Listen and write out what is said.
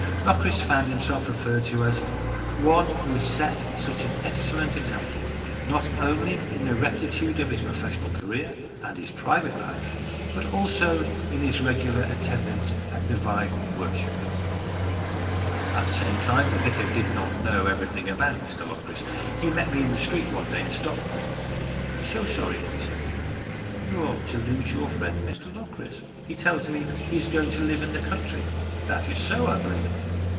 Locris found himself referred to as " one who has set such an excellent example, not only in the rectitude of his professional career and his private life, but also in his regular attendance at divine worship." 204 STORIES IN GREY At the same time, the vicar did not know every thing about Mr Locris. He met me in the street one day and stopped me. " So sorry," he said, " you are to lose your friend, Mr Locris. He tells me that he is going to live in the country." " That is so, I believe."